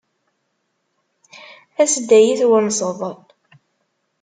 As-d ad iyi-twennseḍ.